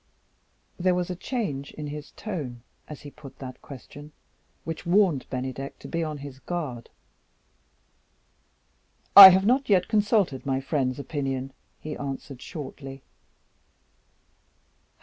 There was a change in his tone, as he put that question which warned Bennydeck to be on his guard. "I have not yet consulted my friend's opinion," he answered, shortly.